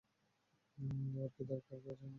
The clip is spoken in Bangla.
ওর কী করা দরকার, জানো?